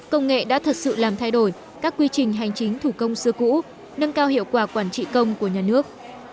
công nghệ đã thật sự làm thay đổi các quy trình hành chính thủ công xưa cũ nâng cao hiệu quả quản trị công của nhà nước